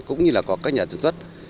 cũng như các nhà dân xuất